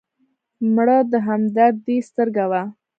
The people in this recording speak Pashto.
مړه د همدردۍ سترګه وه